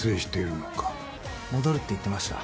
戻るって言ってました。